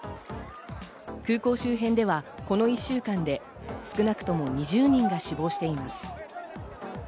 空港周辺ではこの１週間で少なくとも２０人が死亡しています。